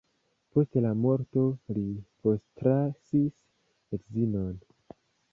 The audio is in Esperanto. Post la morto li postlasis edzinon.